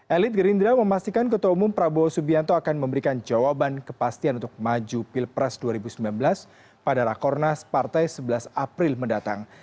elit gerindra memastikan ketua umum prabowo subianto akan memberikan jawaban kepastian untuk maju pilpres dua ribu sembilan belas pada rakornas partai sebelas april mendatang